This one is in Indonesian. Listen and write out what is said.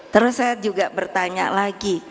terus saya juga bertanya lagi